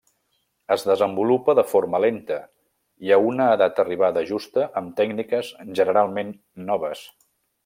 Es desenvolupa de forma lenta, i a una edat arribada justa, amb tècniques generalment noves.